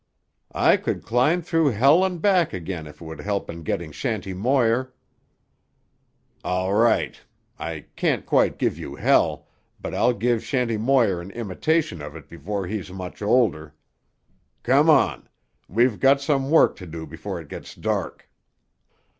"I could climb through hell and back again if it would help in getting Shanty Moir." "All right. I can't quite give you hell, but I'll give Shanty Moir an imitation of it before he's much older. Come on. We've got some work to do before it gets dark."